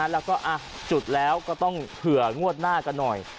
แล้วก็จุดแล้วก็ต้องเผื่องวดหน้ากันหน่อย